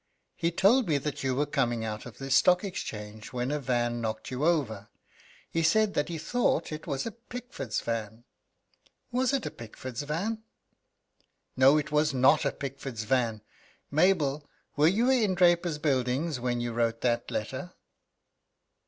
"He told me that you were coming out of the Stock Exchange when a van knocked you over. He said that he thought it was a Pickford's van was it a Pickford's van?" "No, it was not a Pickford's van. Mabel, were you in Draper's Buildings when you wrote that letter?"